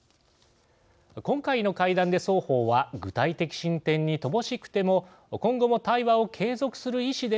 今回の会談で双方は具体的進展に乏しくても今後も対話を継続する意思では一致しています。